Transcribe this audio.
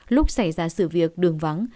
lúc xảy ra sự việc đường vắng